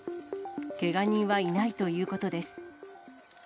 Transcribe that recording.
けが人はいないということです。